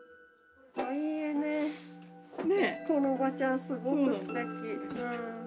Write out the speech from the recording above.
このおばちゃんすごくすてき。